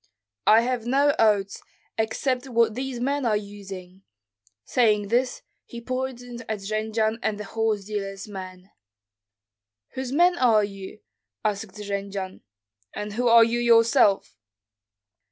"I have no oats, except what these men are using." Saying this, he pointed at Jendzian and the horse dealer's men. "Whose men are you?" asked Jendzian. "And who are you yourself?"